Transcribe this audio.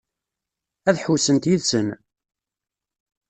Ad ḥewwsent yid-sen?